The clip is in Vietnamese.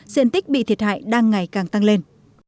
diện tích bị thiệt hại đang ngày càng tăng lên